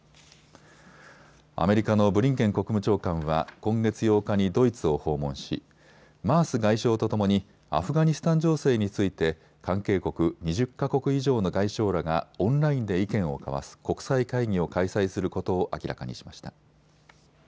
アメリカのブリンケン国務長官は今月８日にドイツを訪問しマース外相とともにアフガニスタン情勢について関係国２０か国以上の外相らがオンラインで意見を交わす国際会議を開催することを明らかにしました。